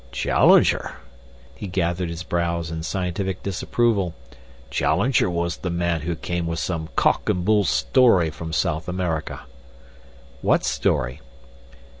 "Challenger?" He gathered his brows in scientific disapproval. "Challenger was the man who came with some cock and bull story from South America." "What story?"